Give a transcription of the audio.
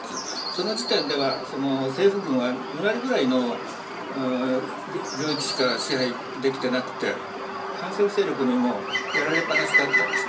その時点では政府軍は２割ぐらいの領域しか支配できていなくて反政府勢力にもやられっぱなしだったんです。